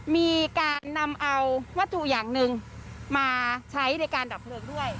มีการนำเอาวัตถุอย่างหนึ่งมาใช้ในการดับเพลิงด้วย